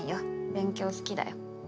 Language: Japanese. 勉強好きだよ。